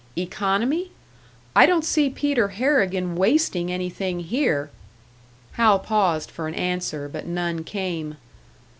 "Economy? I don't see Peter Harrigan wasting anything here!" Hal paused for an answer, but none came.